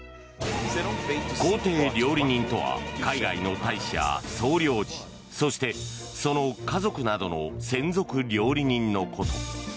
公邸料理人とは海外の大使や総領事そして、その家族などの専属料理人のこと。